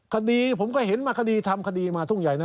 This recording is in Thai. คดีผมก็เห็นมาคดีทำคดีมาทุ่งใหญ่นะ